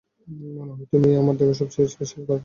মনেহয় তুমিই আমার দেখা সবচেয়ে স্পেশাল গার্ল।